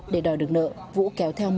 để đòi được nợ vũ kẹo vào nhà đồng tội